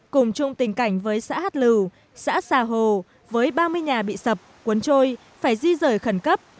cùng chung tình cảnh với xã hát lử xã xà hồ với ba mươi nhà bị sập cuốn trôi phải di rời khẩn cấp